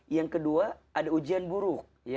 yang kedua ada ujian buruk